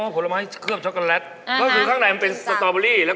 อ๋อผลไม้เคลือบช็อคโกแลต